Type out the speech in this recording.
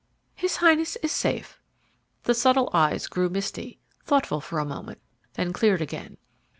"His Highness is safe." The subtle eyes grew misty, thoughtful for a moment, then cleared again.